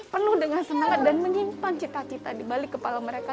penuh dengan semangat dan menyimpan cita cita di balik kepala mereka